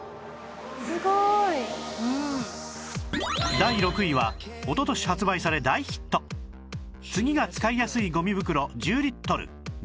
第６位はおととし発売され大ヒット次が使いやすいゴミ袋１０リットル２０枚